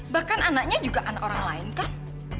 bahkan anaknya juga anak orang lain kan